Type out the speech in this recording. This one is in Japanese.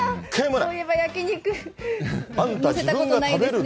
そういえば焼き肉、載せたことないですね。